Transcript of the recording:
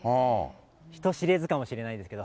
人知れずかもしれないんですけど。